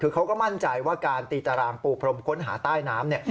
คือเขาก็มั่นใจว่าการตีตารางปูพรมค้นหาใต้น้ำ